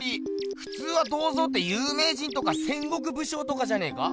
ふつうは銅像ってゆうめい人とか戦国武将とかじゃねえか？